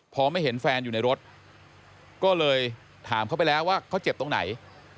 พอไม่เห็นแฟนอยู่ในรถก็เลยถามเขาไปแล้วว่าเขาเจ็บตรงไหน